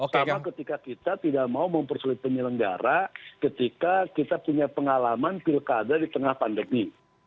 karena ketika kita tidak mau mempersulit penyelenggara ketika kita punya pengalaman pilkada di tengah pandemi